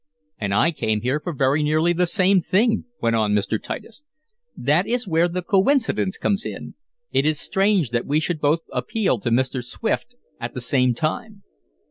"And I came here for very nearly the same thing," went on Mr. Titus. "That is where the coincidence comes in. It is strange that we should both appeal to Mr. Swift at the same time."